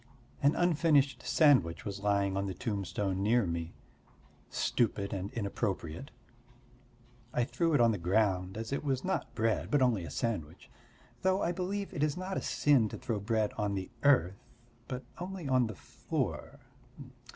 An unfinished sandwich was lying on the tombstone near me; stupid and inappropriate. I threw it on the ground, as it was not bread but only a sandwich. Though I believe it is not a sin to throw bread on the earth, but only on the floor.